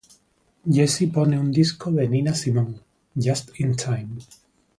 Jesse pone un disco de Nina Simone, ""Just in time"".